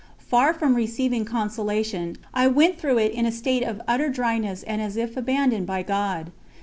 Far from receiving consolation, I went through it in a state of utter dryness and as if abandoned by God.